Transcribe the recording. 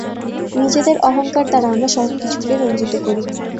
নিজেদের অহঙ্কার দ্বারা আমরা সবকিছুকে রঞ্জিত করি।